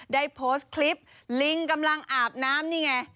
ได้โพสต์คลิปลิงกำลังอาบน้ำนี่ไง